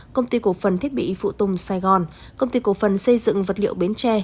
công ty cổ phần thiết bị phụ tùng sài gòn công ty cổ phần xây dựng vật liệu bến tre